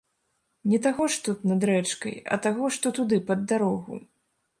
Не таго, што над рэчкай, а таго, што туды, пад дарогу.